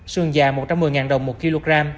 sườn già một trăm một mươi đồng một kg